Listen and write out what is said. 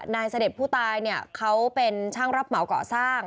เสด็จผู้ตายเนี่ยเขาเป็นช่างรับเหมาก่อสร้าง